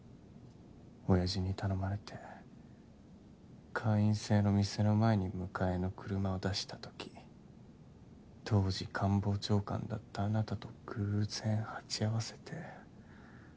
親父に頼まれて会員制の店の前に迎えの車を出した時当時官房長官だったあなたと偶然鉢合わせて。